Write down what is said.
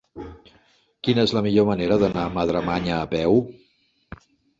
Quina és la millor manera d'anar a Madremanya a peu?